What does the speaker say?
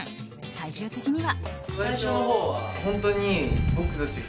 最終的には。